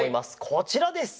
こちらです。